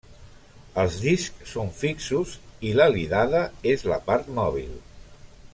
Els discs són fixos i l'alidada és la part mòbil.